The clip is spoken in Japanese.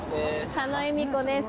佐野恵美子です。